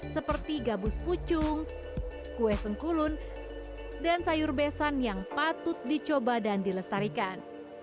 seperti gabus pucung kue sengkulun dan sayur besan yang patut dicoba dan dilestarikan